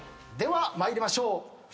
では参りましょう。